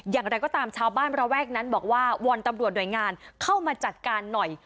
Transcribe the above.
อย่างไรก็ตามชาวบ้านระแวกนั้นบอกว่าวอนตำรวจหน่วยงานเข้ามาจัดการหน่อย